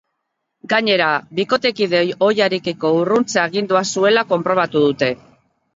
Gainera, bikotekide ohiarekiko urruntze agindua zuela konprobatu dute.